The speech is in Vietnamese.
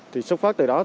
thì xuất phát từ đó